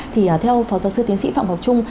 thì theo phó giáo sư tiến sĩ phạm ngọc trung